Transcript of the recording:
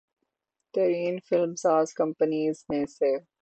ترین film ساز companies میں سے